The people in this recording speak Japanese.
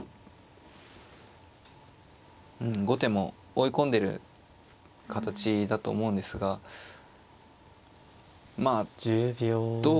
うん後手も追い込んでる形だと思うんですがまあ同銀ですかね。